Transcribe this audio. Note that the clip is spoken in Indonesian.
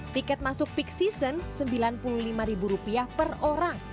tiket masuk peak season sembilan puluh lima per orang